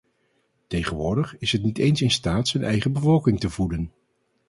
Tegenwoordig is het niet eens in staat zijn eigen bevolking te voeden.